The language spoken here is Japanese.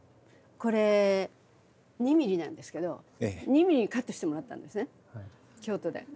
これ２ミリなんですけど２ミリにカットしてもらったんですね京都で。